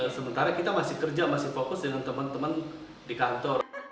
sementara kita masih kerja masih fokus dengan teman teman di kantor